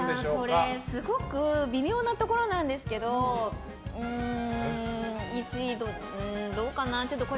これ、すごく微妙なところなんですけど１位どうかな。